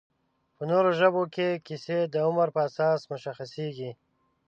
په نورو ژبو کې کیسې د عمر په اساس مشخصېږي